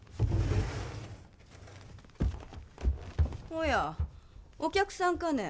おやお客さんかね。